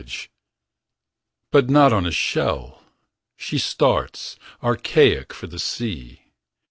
pdf But not on a shell, she starts. Archaic, for the sea.